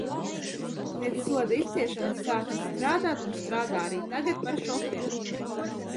Pēc soda izciešanas sācis strādāt un strādā arī tagad par šoferi.